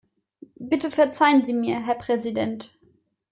Bitte verzeihen Sie mir, Herr Präsident.